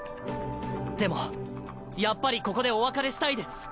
でもやっぱりここでお別れしたいです。